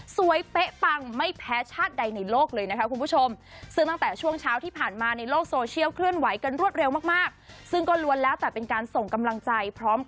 เป๊ะปังไม่แพ้ชาติใดในโลกเลยนะคะคุณผู้ชม